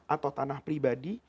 atau tanah pribadi